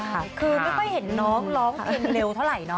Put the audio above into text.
คือไม่ค่อยเห็นน้องร้องเพลงเร็วเท่าไหร่เนอ